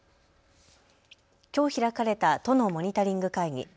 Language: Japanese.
きょう開かれた都のモニタリング会議。